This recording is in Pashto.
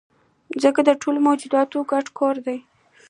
مځکه د ټولو موجوداتو ګډ کور دی.